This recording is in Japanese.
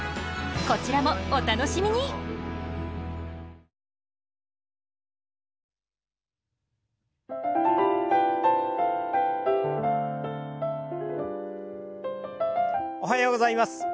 こちらもお楽しみにおはようございます。